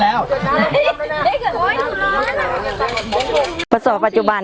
สวัสดีครับทุกคน